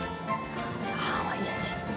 あ、おいしい。